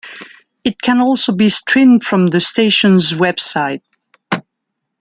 It can also be streamed from the station's web site.